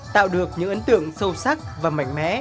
tạo được những ấn tượng sâu sắc và mạnh mẽ